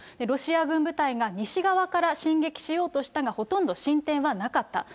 ロシア軍部隊が西側から進撃しようとしたが、ほとんど進展はなかった。